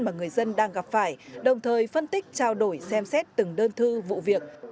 mà người dân đang gặp phải đồng thời phân tích trao đổi xem xét từng đơn thư vụ việc